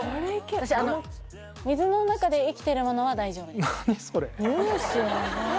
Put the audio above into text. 私水の中で生きてるものは大丈夫です何？